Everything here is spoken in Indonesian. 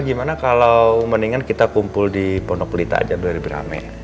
gimana kalau mendingan kita kumpul di pono kulit aja lebih ramai